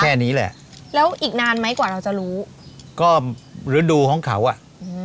แค่นี้แหละแล้วอีกนานไหมกว่าเราจะรู้ก็ฤดูของเขาอ่ะอืม